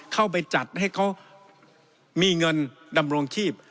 เข้าไปจัดให้เขามีเงินดำรงชีพ